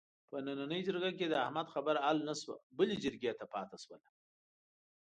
په نننۍ جرګه کې د احمد خبره حل نشوه، بلې جرګې ته پاتې شوله.